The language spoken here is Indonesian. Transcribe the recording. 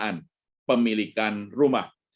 dan juga perusahaan pemilikan rumah